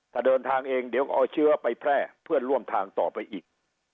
ถ้าเดินทางเองเดี๋ยวก็เอาเชื้อไปแพร่เพื่อนร่วมทางต่อไปอีก